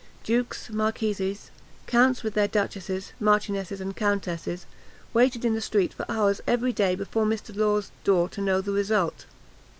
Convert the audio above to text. Dukes, marquises, counts, with their duchesses, marchionesses, and countesses, waited in the streets for hours every day before Mr. Law's door to know the result.